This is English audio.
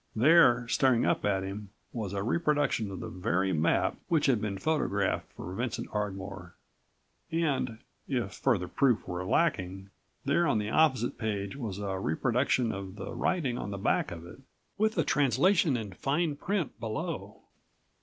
There, staring up at him, was a reproduction of the very map which had been photographed for Vincent Ardmore and, if further proof were lacking, there on the opposite page was a104 reproduction of the writing on the back of it, with a translation in fine print below.